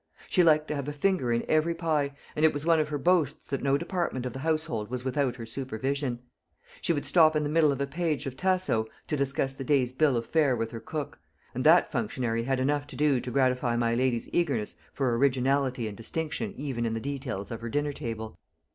She liked to have a finger in every pie, and it was one of her boasts that no department of the household was without her supervision. She would stop in the middle of a page of Tasso to discuss the day's bill of fare with her cook; and that functionary had enough to do to gratify my lady's eagerness for originality and distinction even in the details of her dinner table.